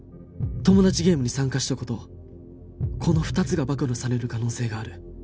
トモダチゲームに参加した事この２つが暴露される可能性がある